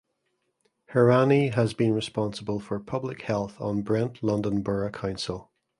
Hirani has been responsible for public health on Brent London Borough Council.